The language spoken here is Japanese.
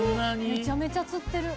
めちゃめちゃ釣ってる。